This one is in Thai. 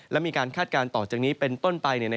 และมีการคาดการณ์ต่อจากนี้เป็นต้นไป